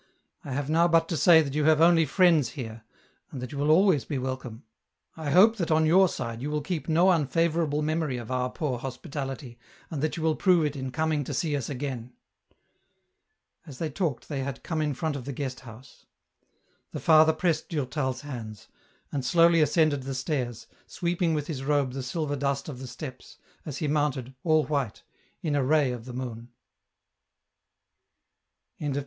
I have now but to say that you have only friends here, and that you will be always welcome. I hope that on your side you will keep no unfavourable memory of our poor hospitality, and that you will prove it in coming to see us again." As they talked they had come in front of the guest house. The father pressed Durtal's hands, and slowly ascended the stairs, sweeping with his robe the silver dust of the steps, as he mounted, all white, in a ray of the moon. CHAPTER IX.